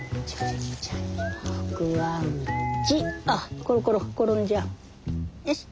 あっころころ転んじゃう。